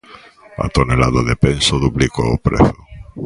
A tonelada de penso duplicou o prezo.